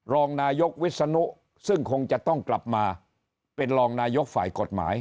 รองนายกวิศนุซึ่งคงจะต้องกลับมาเป็นรองนายกฝ่ายกฎหมาย